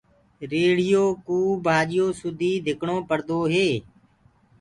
ريڙهيو ڪوُ ڀآڃيو سُدي ڌڪڻو پڙدو هي۔